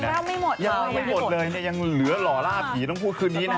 ไม่มีหมดเดียวหล่อลาผีต้องคืนนี้นะค่ะ